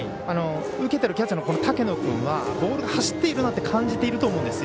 受けてるキャッチャーの竹野君はボールが走っているなと感じていると思うんですよ。